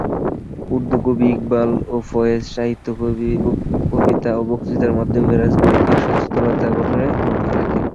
উর্দু কবি ইকবাল ও ফয়েজ সাহিত্য, কবিতা ও বক্তৃতার মাধ্যমে রাজনৈতিক সচেতনতা গঠনে ভূমিকা রাখেন।